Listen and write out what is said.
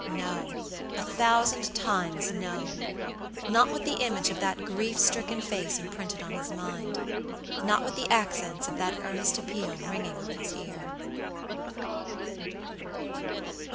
No; a thousand times no! Not with the image of that grief stricken face imprinted on his mind. Not with the accents of that earnest appeal ringing on his ear.